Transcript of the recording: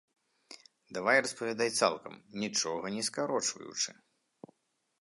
Давай распавядай цалкам, нічога не скарочваючы.